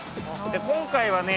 今回はね